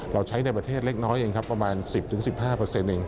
เราใช้ในประเทศเล็กน้อยเองครับประมาณ๑๐๑๕เอง